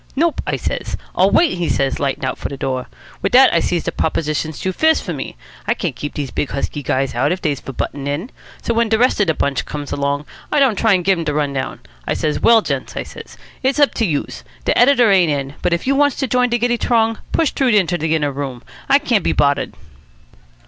'Nope,' I says. 'I'll wait,' says he lightin' out for de door. Wit dat I sees de proposition's too fierce for muh. I can't keep dese big husky guys out if dey's for buttin' in. So when de rest of de bunch comes along, I don't try to give dem de t'run down. I says, 'Well, gents,' I says, 'it's up to youse. De editor ain't in, but if youse wants to join de giddy t'rong, push t'roo inter de inner room. I can't be boddered.'"